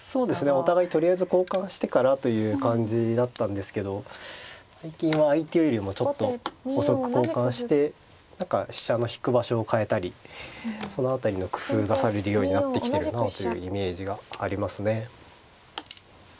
お互いとりあえず交換してからという感じだったんですけど最近は相手よりもちょっと遅く交換して何か飛車の引く場所を変えたりその辺りの工夫がされるようになってきてるなというイメージがありますね。